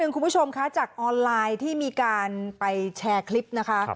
คุณผู้ชมคะจากออนไลน์ที่มีการไปแชร์คลิปนะคะ